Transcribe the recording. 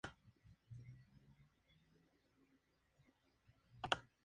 La isla se encuentra actualmente desierta.